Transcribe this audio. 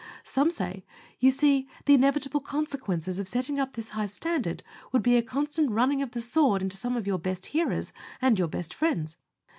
Some say, "You see, the inevitable consequences of setting up this high standard would be a constant running of the sword into some of your best hearers and your best friends."